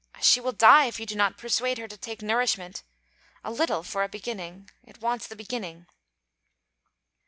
She will die, if you do not persuade her to take nourishment: a little, for a beginning. It wants the beginning.'